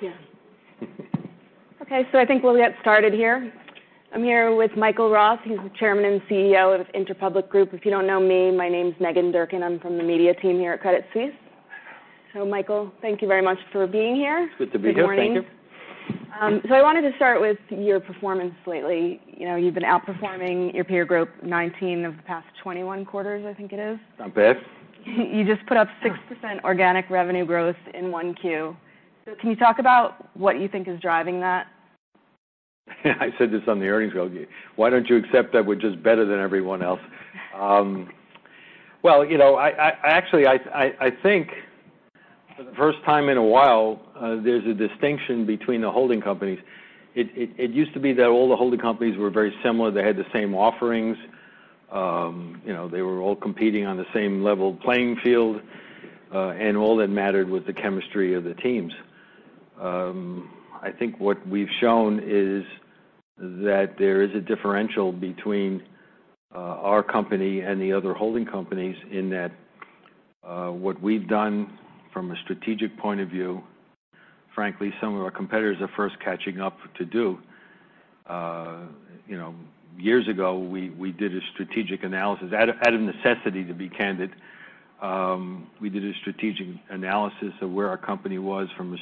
Yeah. Okay, so I think we'll get started here. I'm here with Michael Roth. He's the Chairman and CEO of Interpublic Group. If you don't know me, my name's Meghan Durkin. I'm from the media team here at Credit Suisse. So Michael, thank you very much for being here. It's good to be here, thank you. Good morning. So I wanted to start with your performance lately. You've been outperforming your peer group 19 of the past 21 quarters, I think it is. Not bad. You just put up 6% organic revenue growth in 1Q. So can you talk about what you think is driving that? I said this on the earnings call, okay, why don't you accept that we're just better than everyone else? Well, actually, I think for the first time in a while, there's a distinction between the holding companies. It used to be that all the holding companies were very similar. They had the same offerings. They were all competing on the same level playing field, and all that mattered was the chemistry of the teams. I think what we've shown is that there is a differential between our company and the other holding companies in that what we've done from a strategic point of view, frankly, some of our competitors are first catching up to do. Years ago, we did a strategic analysis out of necessity, to be candid. We did a strategic analysis of where our company was from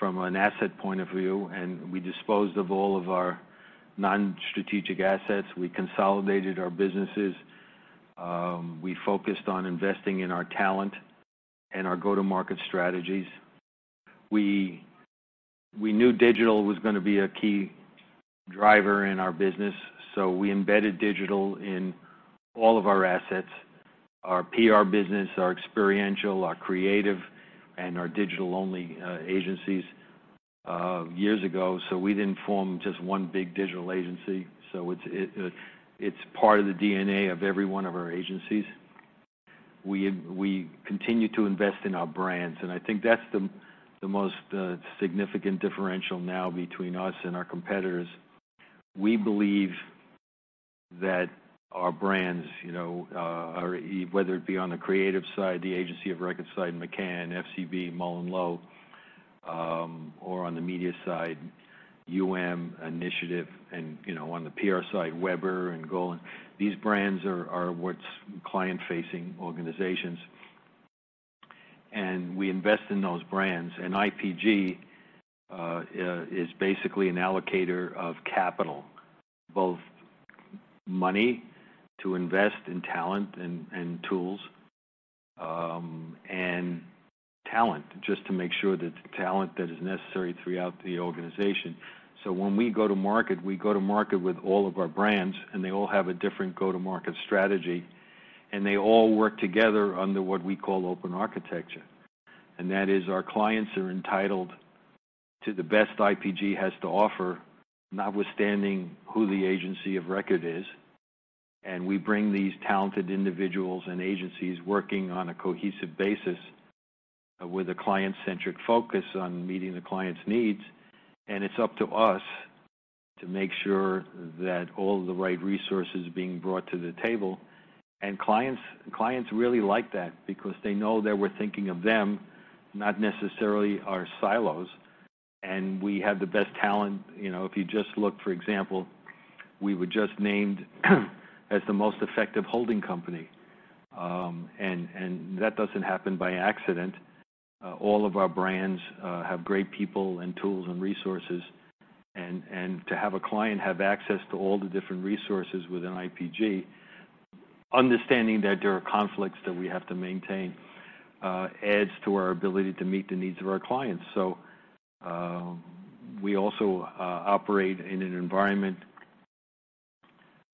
an asset point of view, and we disposed of all of our non-strategic assets. We consolidated our businesses. We focused on investing in our talent and our go-to-market strategies. We knew digital was going to be a key driver in our business, so we embedded digital in all of our assets: our PR business, our experiential, our creative, and our digital-only agencies years ago. So we didn't form just one big digital agency. So it's part of the DNA of every one of our agencies. We continue to invest in our brands, and I think that's the most significant differential now between us and our competitors. We believe that our brands, whether it be on the creative side, the agency of record side, McCann, FCB, MullenLowe, or on the media side, Initiative, and on the PR side, Weber and Golin. These brands are client-facing organizations, and we invest in those brands. And IPG is basically an allocator of capital, both money to invest in talent and tools, and talent just to make sure that the talent that is necessary throughout the organization. So when we go to market, we go to market with all of our brands, and they all have a different go-to-market strategy, and they all work together under what we call open architecture. And that is our clients are entitled to the best IPG has to offer, notwithstanding who the agency of record is. And we bring these talented individuals and agencies working on a cohesive basis with a client-centric focus on meeting the client's needs. And it's up to us to make sure that all of the right resources are being brought to the table. And clients really like that because they know that we're thinking of them, not necessarily our silos. And we have the best talent. If you just look, for example, we were just named as the most effective holding company. And that doesn't happen by accident. All of our brands have great people and tools and resources. And to have a client have access to all the different resources within IPG, understanding that there are conflicts that we have to maintain, adds to our ability to meet the needs of our clients. So we also operate in an environment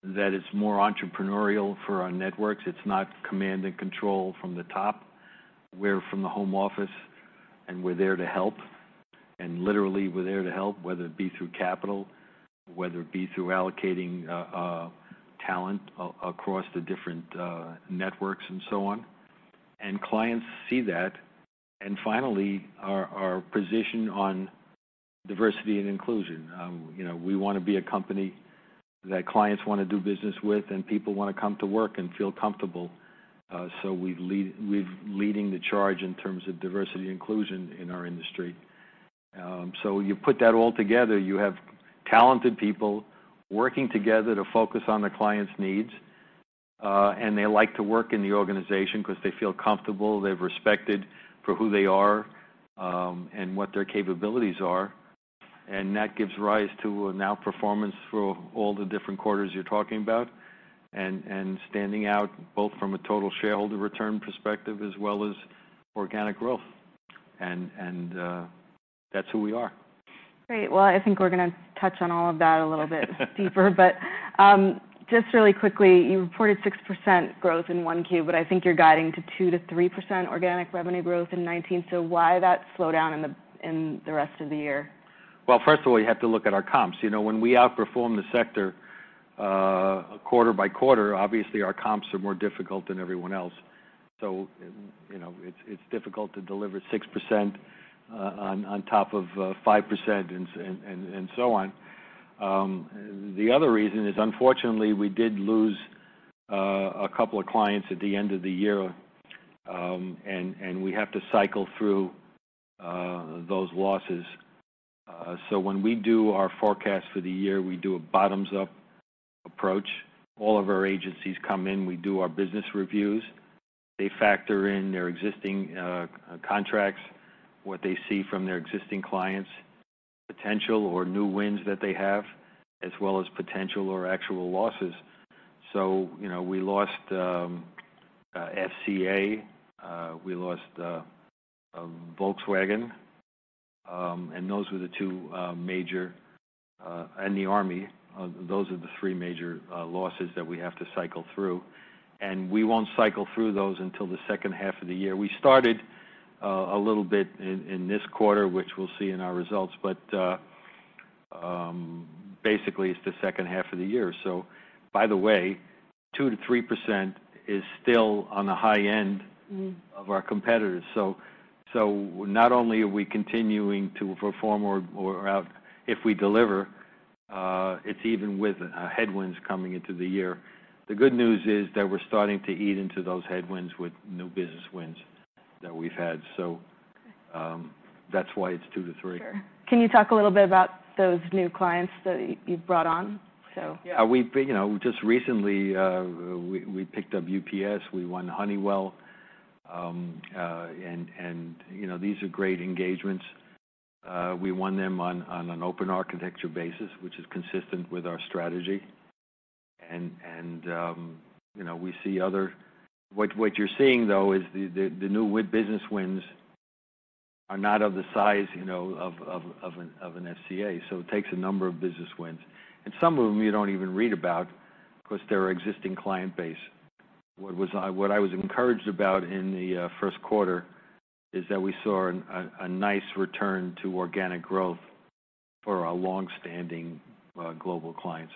that is more entrepreneurial for our networks. It's not command and control from the top. We're from the home office, and we're there to help. And literally, we're there to help, whether it be through capital, whether it be through allocating talent across the different networks and so on. And clients see that. And finally, our position on diversity and inclusion. We want to be a company that clients want to do business with, and people want to come to work and feel comfortable. So we're leading the charge in terms of diversity and inclusion in our industry. So you put that all together, you have talented people working together to focus on the client's needs, and they like to work in the organization because they feel comfortable. They're respected for who they are and what their capabilities are. And that gives rise to now performance for all the different quarters you're talking about and standing out both from a total shareholder return perspective as well as organic growth. And that's who we are. Great. Well, I think we're going to touch on all of that a little bit deeper. But just really quickly, you reported 6% growth in 1Q, but I think you're guiding to 2%-3% organic revenue growth in 2019. So why that slowdown in the rest of the year? First of all, you have to look at our comps. When we outperform the sector quarter by quarter, obviously, our comps are more difficult than everyone else. So it's difficult to deliver 6% on top of 5% and so on. The other reason is, unfortunately, we did lose a couple of clients at the end of the year, and we have to cycle through those losses. So when we do our forecast for the year, we do a bottoms-up approach. All of our agencies come in. We do our business reviews. They factor in their existing contracts, what they see from their existing clients, potential or new wins that they have, as well as potential or actual losses. So we lost FCA. We lost Volkswagen, and those were the two major. And the Army. Those are the three major losses that we have to cycle through. And we won't cycle through those until the second half of the year. We started a little bit in this quarter, which we'll see in our results, but basically, it's the second half of the year. So by the way, 2%-3% is still on the high end of our competitors. So not only are we continuing to perform, or if we deliver, it's even with headwinds coming into the year. The good news is that we're starting to eat into those headwinds with new business wins that we've had. So that's why it's 2%-3%. Sure. Can you talk a little bit about those new clients that you've brought on? Yeah. Just recently, we picked up UPS. We won Honeywell. And these are great engagements. We won them on an open architecture basis, which is consistent with our strategy. And we see other what you're seeing, though, is the new business wins are not of the size of an FCA. So it takes a number of business wins. And some of them you don't even read about because they're our existing client base. What I was encouraged about in the first quarter is that we saw a nice return to organic growth for our long-standing global clients.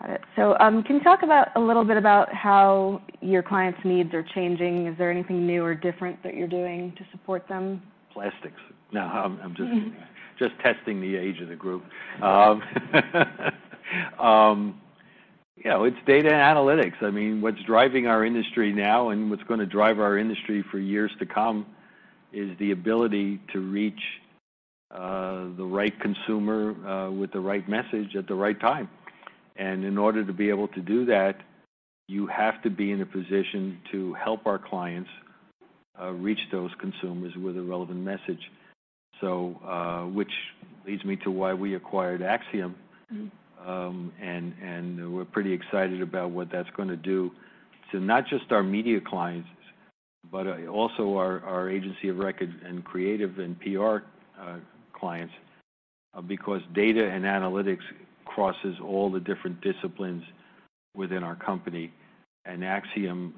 Got it. So can you talk a little bit about how your clients' needs are changing? Is there anything new or different that you're doing to support them? Plastics. No, I'm just testing the age of the group. Yeah, it's data and analytics. I mean, what's driving our industry now and what's going to drive our industry for years to come is the ability to reach the right consumer with the right message at the right time. And in order to be able to do that, you have to be in a position to help our clients reach those consumers with a relevant message, which leads me to why we acquired Acxiom. And we're pretty excited about what that's going to do to not just our media clients, but also our agency of record and creative and PR clients because data and analytics crosses all the different disciplines within our company. And Acxiom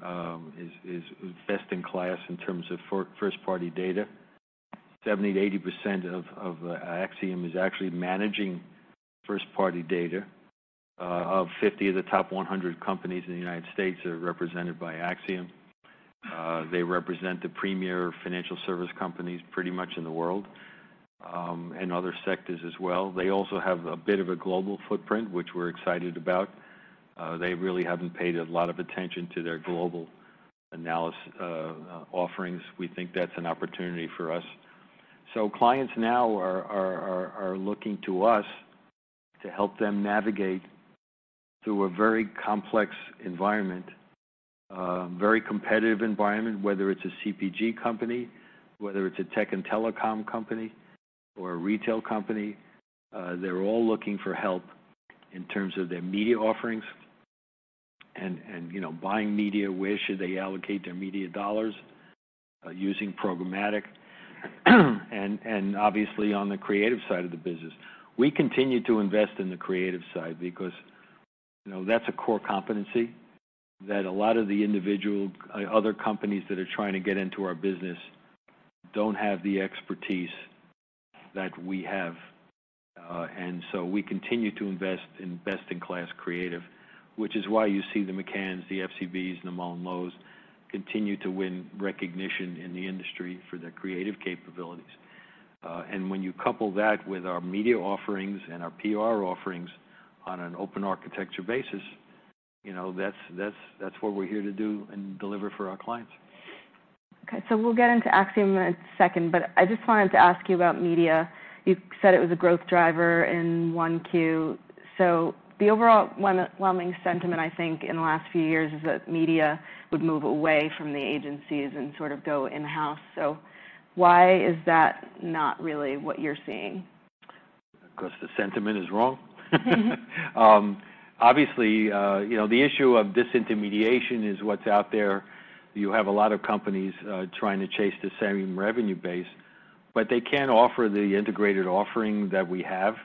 is best in class in terms of first-party data. 70%-80% of Acxiom is actually managing first-party data. Over 50 of the top 100 companies in the United States are represented by Acxiom. They represent the premier financial service companies pretty much in the world and other sectors as well. They also have a bit of a global footprint, which we're excited about. They really haven't paid a lot of attention to their global offerings. We think that's an opportunity for us. So clients now are looking to us to help them navigate through a very complex environment, a very competitive environment, whether it's a CPG company, whether it's a tech and telecom company, or a retail company. They're all looking for help in terms of their media offerings and buying media. Where should they allocate their media dollars using programmatic? Obviously, on the creative side of the business, we continue to invest in the creative side because that's a core competency that a lot of the other companies that are trying to get into our business don't have the expertise that we have. And so we continue to invest in best-in-class creative, which is why you see the McCanns, the FCBs, and the MullenLowes continue to win recognition in the industry for their creative capabilities. And when you couple that with our media offerings and our PR offerings on an open architecture basis, that's what we're here to do and deliver for our clients. Okay. So we'll get into Acxiom in a second, but I just wanted to ask you about media. You said it was a growth driver in 1Q, so the overall prevailing sentiment, I think, in the last few years is that media would move away from the agencies and sort of go in-house, so why is that not really what you're seeing? Because the sentiment is wrong. Obviously, the issue of disintermediation is what's out there. You have a lot of companies trying to chase the same revenue base, but they can't offer the integrated offering that we have,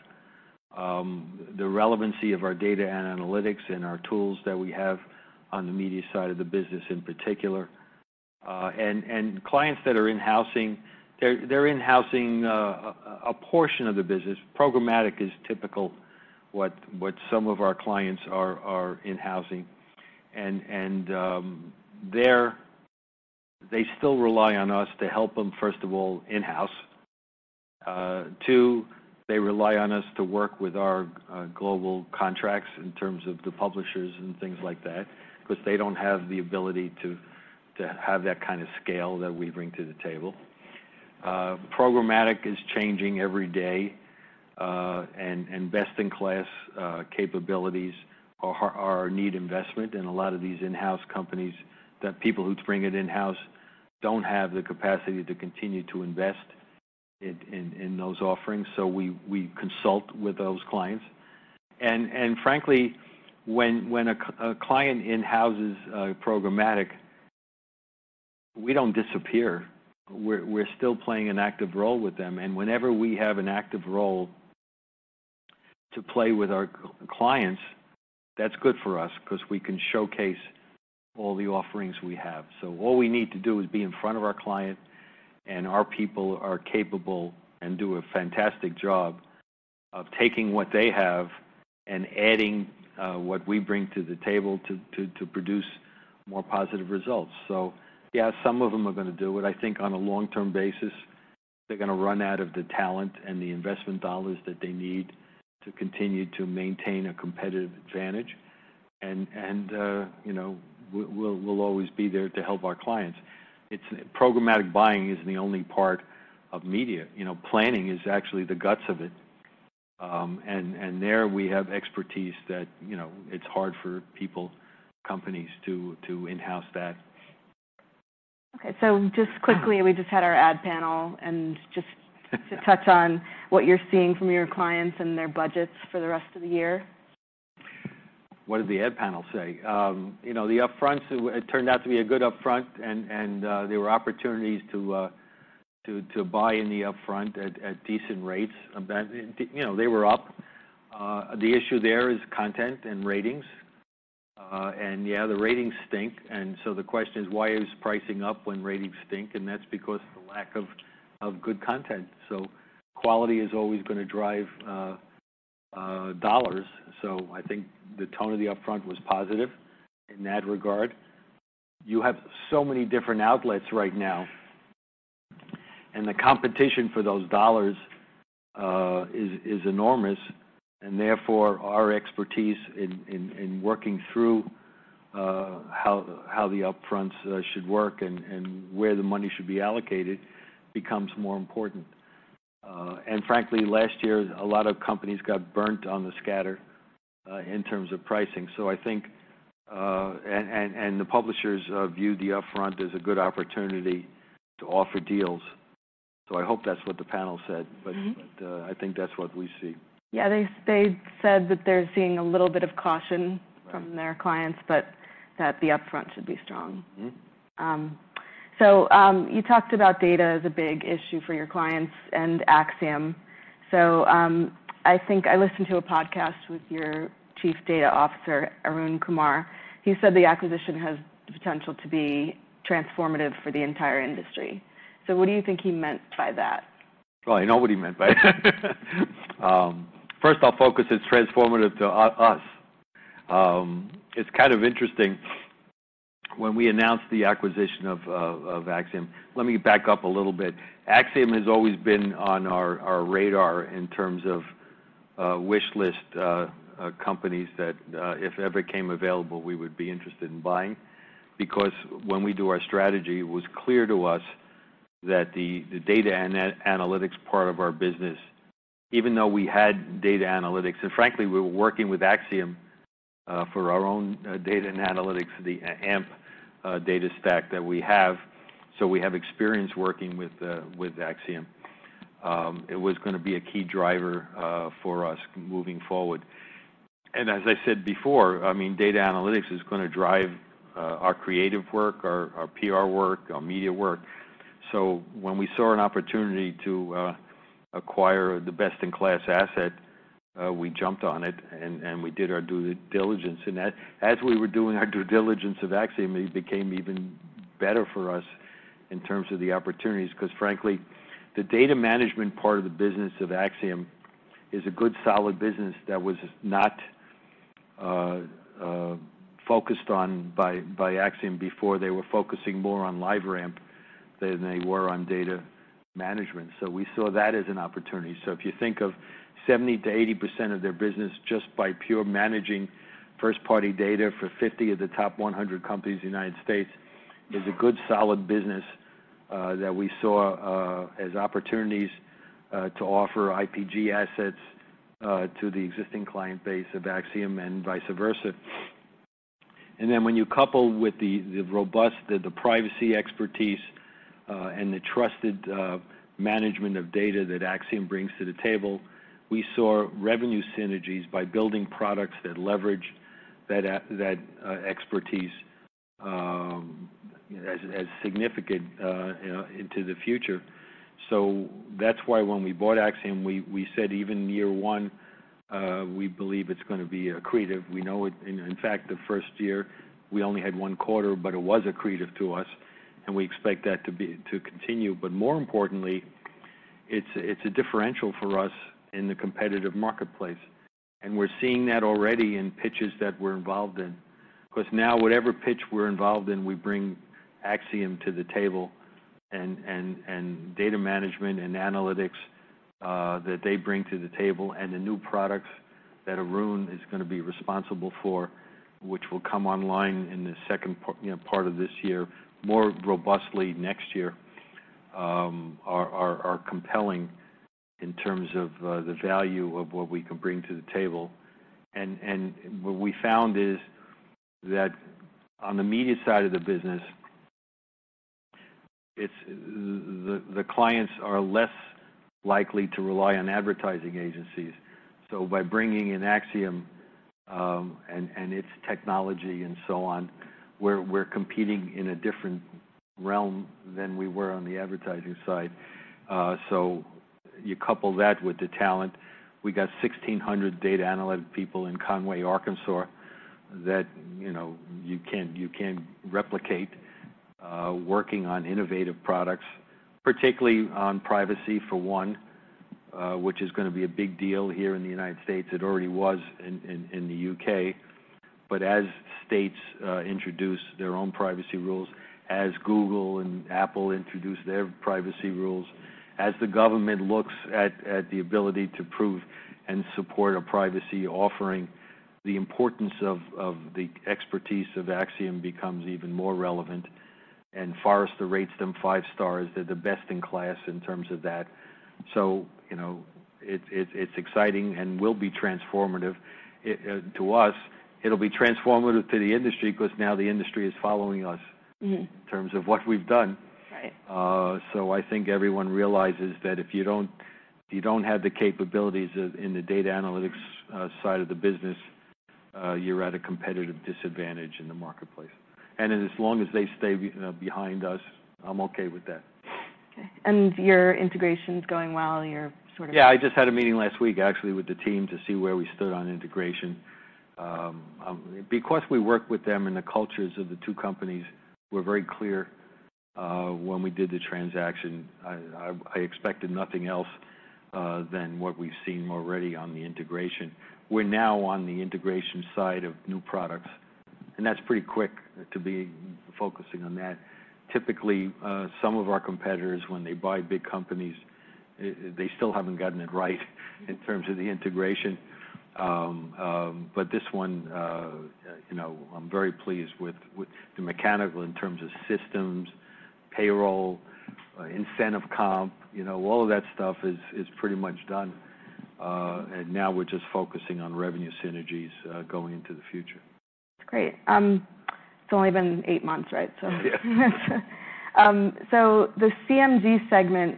the relevancy of our data and analytics and our tools that we have on the media side of the business in particular. And clients that are in-housing, they're in-housing a portion of the business. Programmatic is typical, what some of our clients are in-housing. And they still rely on us to help them, first of all, in-house. Two, they rely on us to work with our global contracts in terms of the publishers and things like that because they don't have the ability to have that kind of scale that we bring to the table. Programmatic is changing every day, and best-in-class capabilities need investment. A lot of these in-house companies, the people who bring it in-house, don't have the capacity to continue to invest in those offerings. So we consult with those clients. And frankly, when a client in-houses programmatic, we don't disappear. We're still playing an active role with them. And whenever we have an active role to play with our clients, that's good for us because we can showcase all the offerings we have. So all we need to do is be in front of our client, and our people are capable and do a fantastic job of taking what they have and adding what we bring to the table to produce more positive results. So yeah, some of them are going to do it. I think on a long-term basis, they're going to run out of the talent and the investment dollars that they need to continue to maintain a competitive advantage. And we'll always be there to help our clients. Programmatic buying is the only part of media. Planning is actually the guts of it. And there we have expertise that it's hard for people, companies to in-house that. Okay. So just quickly, we just had our ad panel and just to touch on what you're seeing from your clients and their budgets for the rest of the year. What did the ad panel say? The Upfront, it turned out to be a good Upfront, and there were opportunities to buy in the Upfront at decent rates. They were up. The issue there is content and ratings. And yeah, the ratings stink. And so the question is, why is pricing up when ratings stink? And that's because of the lack of good content. So quality is always going to drive dollars. So I think the tone of the Upfront was positive in that regard. You have so many different outlets right now, and the competition for those dollars is enormous. And therefore, our expertise in working through how the Upfronts should work and where the money should be allocated becomes more important. And frankly, last year, a lot of companies got burnt on the scatter in terms of pricing. I think the publishers view the Upfront as a good opportunity to offer deals. I hope that's what the panel said, but I think that's what we see. Yeah. They said that they're seeing a little bit of caution from their clients, but that the Upfront should be strong. So you talked about data as a big issue for your clients and Acxiom. So I listened to a podcast with your Chief Data Officer, Arun Kumar. He said the acquisition has the potential to be transformative for the entire industry. So what do you think he meant by that? I know what he meant by that. First off, focus is transformative to us. It's kind of interesting. When we announced the acquisition of Acxiom, let me back up a little bit. Acxiom has always been on our radar in terms of wishlist companies that if ever came available, we would be interested in buying because when we do our strategy, it was clear to us that the data and analytics part of our business, even though we had data analytics and frankly, we were working with Acxiom for our own data and analytics, the AMP data stack that we have. So we have experience working with Acxiom. It was going to be a key driver for us moving forward. And as I said before, I mean, data analytics is going to drive our creative work, our PR work, our media work. So when we saw an opportunity to acquire the best-in-class asset, we jumped on it, and we did our due diligence. And as we were doing our due diligence of Acxiom, it became even better for us in terms of the opportunities because frankly, the data management part of the business of Acxiom is a good solid business that was not focused on by Acxiom before. They were focusing more on LiveRamp than they were on data management. So we saw that as an opportunity. So if you think of 70%-80% of their business just by pure managing first-party data for 50 of the top 100 companies in the United States, it's a good solid business that we saw as opportunities to offer IPG assets to the existing client base of Acxiom and vice versa. Then when you couple with the robust, the privacy expertise, and the trusted management of data that Acxiom brings to the table, we saw revenue synergies by building products that leverage that expertise as significant into the future. That's why when we bought Acxiom, we said even year one, we believe it's going to be accretive. We know it. In fact, the first year, we only had one quarter, but it was accretive to us, and we expect that to continue. But more importantly, it's a differential for us in the competitive marketplace. And we're seeing that already in pitches that we're involved in because now whatever pitch we're involved in, we bring Acxiom to the table and data management and analytics that they bring to the table and the new products that Arun is going to be responsible for, which will come online in the second part of this year, more robustly next year, are compelling in terms of the value of what we can bring to the table. And what we found is that on the media side of the business, the clients are less likely to rely on advertising agencies. So by bringing in Acxiom and its technology and so on, we're competing in a different realm than we were on the advertising side. So you couple that with the talent. We got 1,600 data analytic people in Conway, Arkansas, that you can't replicate working on innovative products, particularly on privacy for one, which is going to be a big deal here in the United States. It already was in the U.K. But as states introduce their own privacy rules, as Google and Apple introduce their privacy rules, as the government looks at the ability to prove and support a privacy offering, the importance of the expertise of Acxiom becomes even more relevant. And Forrester rates them five stars. They're the best in class in terms of that. So it's exciting and will be transformative to us. It'll be transformative to the industry because now the industry is following us in terms of what we've done. I think everyone realizes that if you don't have the capabilities in the data analytics side of the business, you're at a competitive disadvantage in the marketplace. As long as they stay behind us, I'm okay with that. Okay. And your integration's going well? You're sort of. Yeah. I just had a meeting last week, actually, with the team to see where we stood on integration. Because we work with them and the cultures of the two companies, we're very clear when we did the transaction. I expected nothing else than what we've seen already on the integration. We're now on the integration side of new products, and that's pretty quick to be focusing on that. Typically, some of our competitors, when they buy big companies, they still haven't gotten it right in terms of the integration. But this one, I'm very pleased with the mechanics in terms of systems, payroll, incentive comp; all of that stuff is pretty much done, and now we're just focusing on revenue synergies going into the future. That's great. It's only been eight months, right? Yeah. So the CMG segment,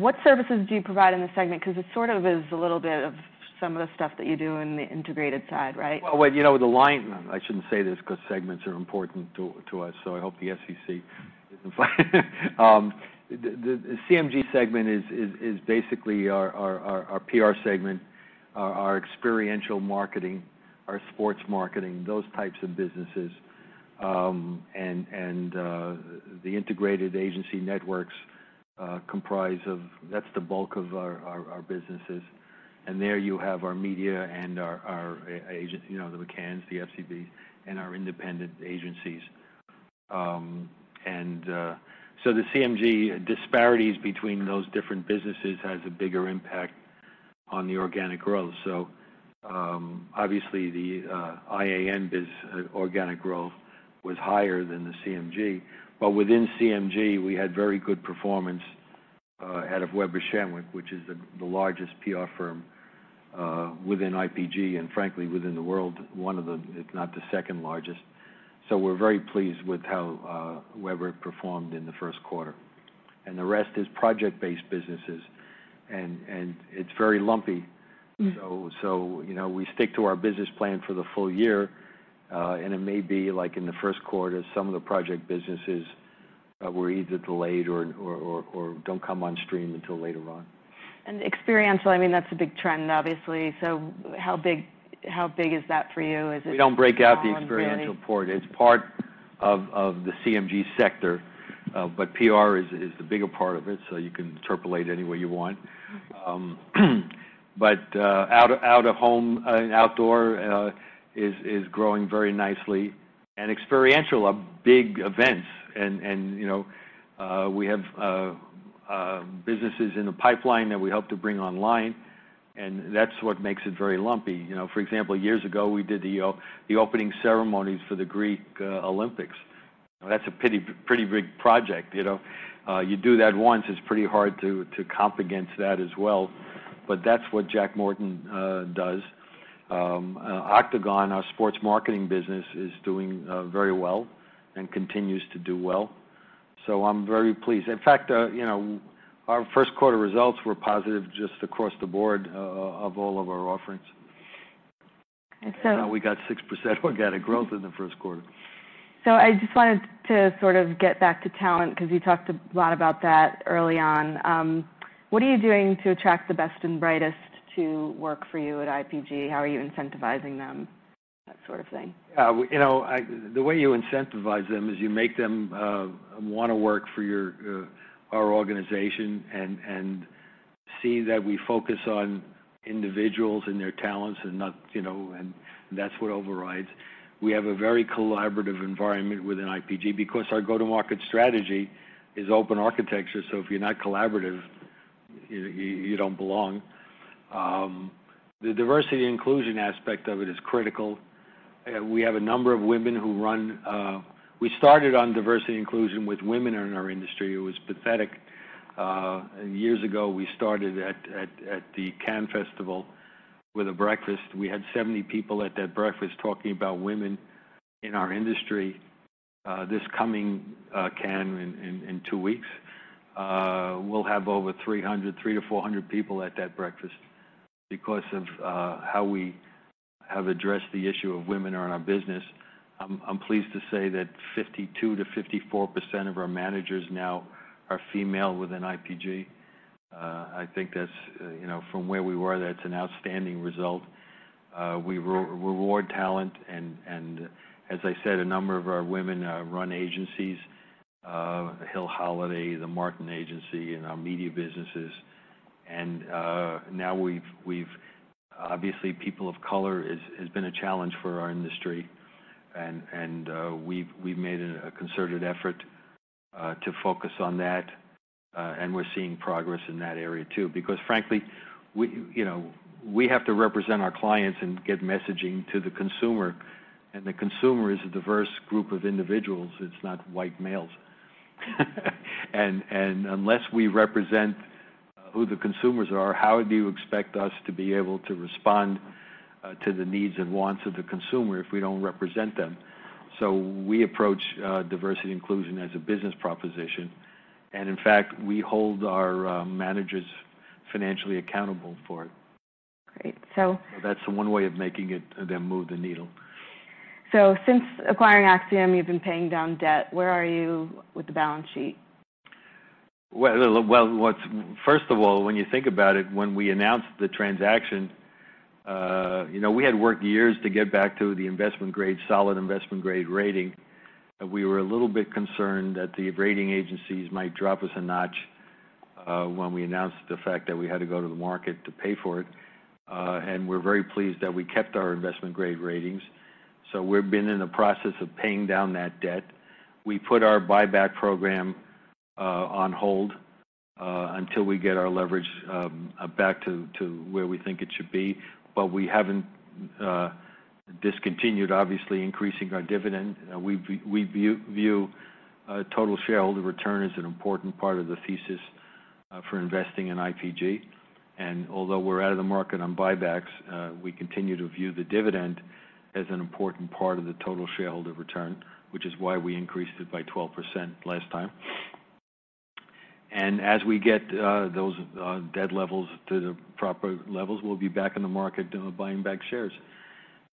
what services do you provide in the segment? Because it sort of is a little bit of some of the stuff that you do in the integrated side, right? With the IAN, I shouldn't say this because segments are important to us, so I hope the SEC isn't fighting. The CMG segment is basically our PR segment, our experiential marketing, our sports marketing, those types of businesses. The Integrated Agency Networks comprise of that's the bulk of our businesses. There you have our media and our agents, the McCanns, the FCBs, and our independent agencies. The CMG disparities between those different businesses have a bigger impact on the organic growth. Obviously, the IAN organic growth was higher than the CMG. Within CMG, we had very good performance out of Weber Shandwick, which is the largest PR firm within IPG and frankly, within the world, one of the, if not the second largest. We're very pleased with how Weber performed in the first quarter. The rest is project-based businesses, and it's very lumpy. We stick to our business plan for the full year, and it may be like in the first quarter, some of the project businesses were either delayed or don't come on stream until later on. and experiential, I mean, that's a big trend, obviously. so how big is that for you? We don't break out the experiential part. It's part of the CMG sector, but PR is the bigger part of it, so you can interpolate any way you want, but out of home and outdoor is growing very nicely, and experiential, big events, and we have businesses in the pipeline that we hope to bring online, and that's what makes it very lumpy. For example, years ago, we did the opening ceremonies for the Greek Olympics. That's a pretty big project. You do that once, it's pretty hard to comp against that as well, but that's what Jack Morton does. Octagon, our sports marketing business, is doing very well and continues to do well, so I'm very pleased. In fact, our first quarter results were positive just across the board of all of our offerings. We got 6% organic growth in the first quarter. I just wanted to sort of get back to talent because you talked a lot about that early on. What are you doing to attract the best and brightest to work for you at IPG? How are you incentivizing them, that sort of thing? Yeah. The way you incentivize them is you make them want to work for our organization and see that we focus on individuals and their talents and that's what overrides. We have a very collaborative environment within IPG because our go-to-market strategy is open architecture. So if you're not collaborative, you don't belong. The diversity inclusion aspect of it is critical. We have a number of women who run. We started on diversity inclusion with women in our industry. It was pathetic. Years ago, we started at the Cannes Festival with a breakfast. We had 70 people at that breakfast talking about women in our industry. This coming Cannes in two weeks, we'll have over 300, 300 to 400 people at that breakfast because of how we have addressed the issue of women in our business. I'm pleased to say that 52%-54% of our managers now are female within IPG. I think from where we were, that's an outstanding result. We reward talent, and as I said, a number of our women run agencies, Hill Holliday, The Martin Agency, and our media businesses, and now we've obviously, people of color has been a challenge for our industry, and we've made a concerted effort to focus on that, and we're seeing progress in that area too because frankly, we have to represent our clients and get messaging to the consumer, and the consumer is a diverse group of individuals. It's not white males, and unless we represent who the consumers are, how do you expect us to be able to respond to the needs and wants of the consumer if we don't represent them? So we approach diversity inclusion as a business proposition. In fact, we hold our managers financially accountable for it. Great. So. That's one way of making them move the needle. So since acquiring Acxiom, you've been paying down debt. Where are you with the balance sheet? First of all, when you think about it, when we announced the transaction, we had worked years to get back to the investment grade, solid investment grade rating. We're very pleased that we kept our investment grade ratings. We've been in the process of paying down that debt. We put our buyback program on hold until we get our leverage back to where we think it should be. We haven't discontinued, obviously, increasing our dividend. We view total shareholder return as an important part of the thesis for investing in IPG. And although we're out of the market on buybacks, we continue to view the dividend as an important part of the total shareholder return, which is why we increased it by 12% last time. And as we get those debt levels to the proper levels, we'll be back in the market buying back shares.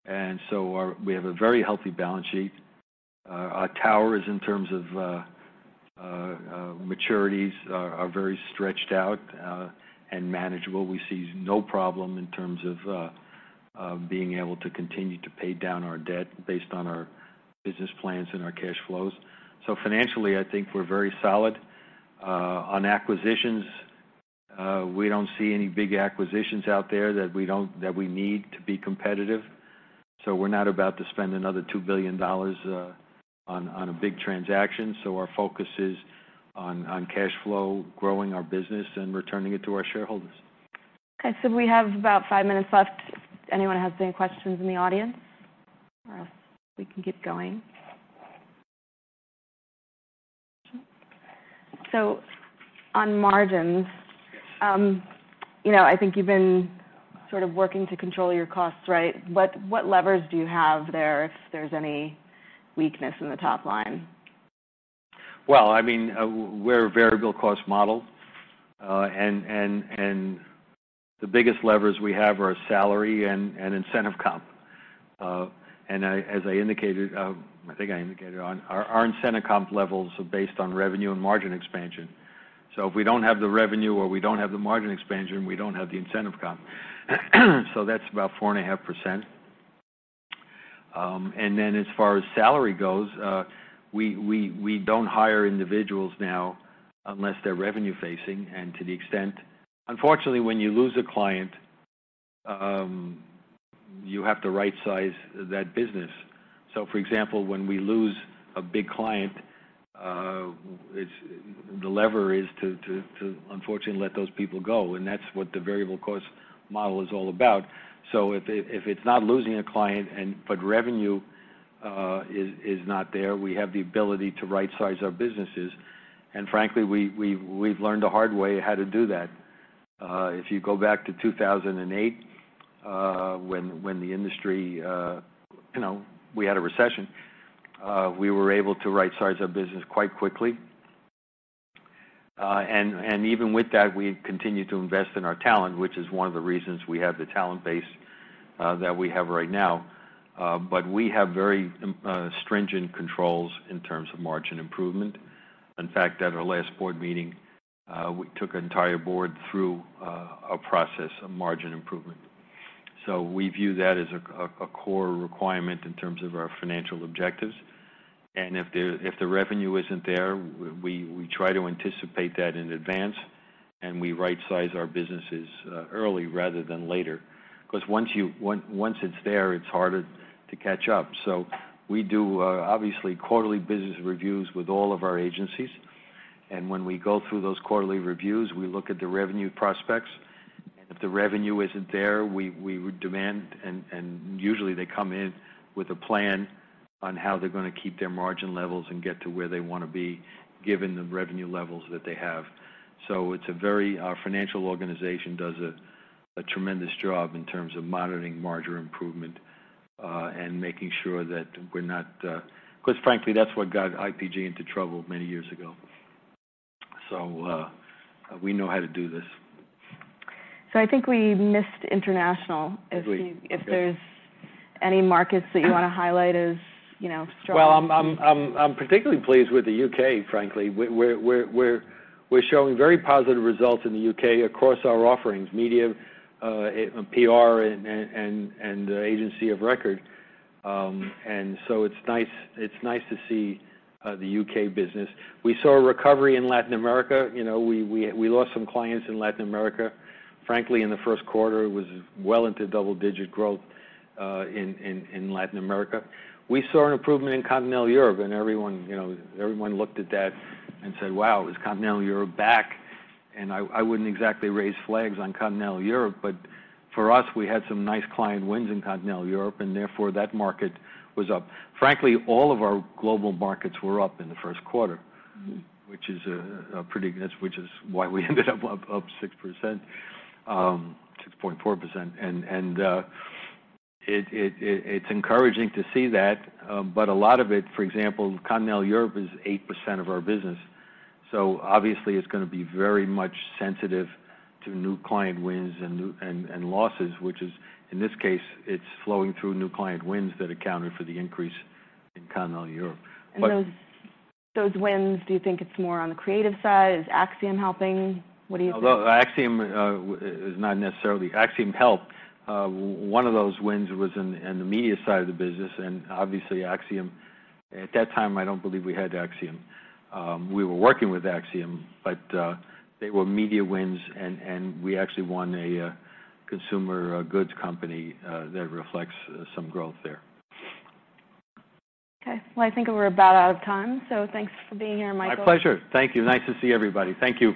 And so we have a very healthy balance sheet. Our tower is in terms of maturities are very stretched out and manageable. We see no problem in terms of being able to continue to pay down our debt based on our business plans and our cash flows. So financially, I think we're very solid. On acquisitions, we don't see any big acquisitions out there that we need to be competitive. So we're not about to spend another $2 billion on a big transaction. So our focus is on cash flow, growing our business, and returning it to our shareholders. Okay. So we have about five minutes left. Anyone has any questions in the audience? Or else we can keep going. So on margins, I think you've been sort of working to control your costs, right? What levers do you have there if there's any weakness in the top line? Well, I mean, we're a variable cost model. And the biggest levers we have are salary and incentive comp. And as I indicated, I think I indicated, our incentive comp levels are based on revenue and margin expansion. So if we don't have the revenue or we don't have the margin expansion, we don't have the incentive comp. So that's about 4.5%. And then as far as salary goes, we don't hire individuals now unless they're revenue-facing. And to the extent, unfortunately, when you lose a client, you have to right-size that business. So for example, when we lose a big client, the lever is to, unfortunately, let those people go. And that's what the variable cost model is all about. So if it's not losing a client, but revenue is not there, we have the ability to right-size our businesses. And frankly, we've learned the hard way how to do that. If you go back to 2008, when the industry, we had a recession, we were able to right-size our business quite quickly. And even with that, we continue to invest in our talent, which is one of the reasons we have the talent base that we have right now. But we have very stringent controls in terms of margin improvement. In fact, at our last board meeting, we took an entire board through a process of margin improvement. So we view that as a core requirement in terms of our financial objectives. And if the revenue isn't there, we try to anticipate that in advance, and we right-size our businesses early rather than later. Because once it's there, it's harder to catch up. So we do, obviously, quarterly business reviews with all of our agencies. And when we go through those quarterly reviews, we look at the revenue prospects. And if the revenue isn't there, we would demand, and usually they come in with a plan on how they're going to keep their margin levels and get to where they want to be given the revenue levels that they have. So it's a very our financial organization does a tremendous job in terms of monitoring margin improvement and making sure that we're not because frankly, that's what got IPG into trouble many years ago. So we know how to do this. So I think we missed international. If there's any markets that you want to highlight as strong. I'm particularly pleased with the U.K., frankly. We're showing very positive results in the U.K. across our offerings, media, PR, and agency of record. It's nice to see the U.K. business. We saw a recovery in Latin America. We lost some clients in Latin America. Frankly, in the first quarter, it was well into double-digit growth in Latin America. We saw an improvement in Continental Europe, and everyone looked at that and said, "Wow, is Continental Europe back?" I wouldn't exactly raise flags on Continental Europe, but for us, we had some nice client wins in Continental Europe, and therefore that market was up. Frankly, all of our global markets were up in the first quarter, which is why we ended up up 6%, 6.4%. It's encouraging to see that. A lot of it, for example, Continental Europe is 8% of our business. So obviously, it's going to be very much sensitive to new client wins and losses, which is, in this case, it's flowing through new client wins that accounted for the increase in Continental Europe. Those wins, do you think it's more on the creative side? Is Acxiom helping? What do you think? Acxiom is not necessarily Acxiom helped. One of those wins was in the media side of the business. Obviously, Acxiom at that time, I don't believe we had Acxiom. We were working with Acxiom, but they were media wins, and we actually won a consumer goods company that reflects some growth there. Okay. Well, I think we're about out of time. So thanks for being here, Michael. My pleasure. Thank you. Nice to see everybody. Thank you.